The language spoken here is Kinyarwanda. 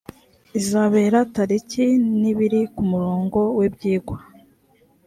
izabera itariki n ibiri ku murongo w ibyigwa